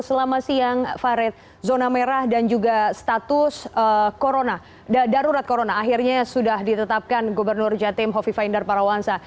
selamat siang farid zona merah dan juga status darurat corona akhirnya sudah ditetapkan gubernur jatim hovifa indar parawansa